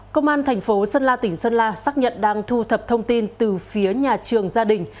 công an thành phố sơn la tỉnh sơn la xác nhận đang thu thập thông tin từ phía nhà trường gia đình